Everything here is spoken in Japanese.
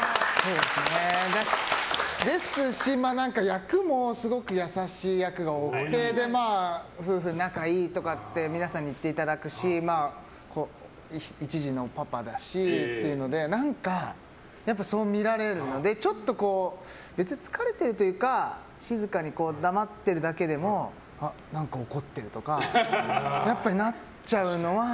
ですし役もすごく優しい役が多くて夫婦仲いいとかって皆さんに言っていただくし１児のパパだしっていうので何か、そう見られるのでちょっと、別に疲れてるというか静かに黙ってるだけでもあ、何か怒ってるとかなっちゃうのは。